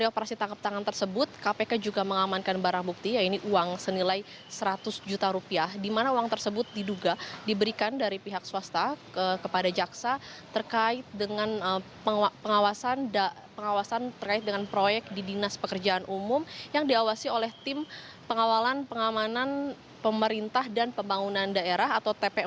penyidik kpk juga menyita uang sebesar seratus juta rupiah sebagai barang bukti yang diduga suap dalam proyek tim pengawal dan pengaman pemerintah dan pembangunan daerah atau tp empat d